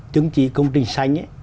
chứng chỉ công trình xanh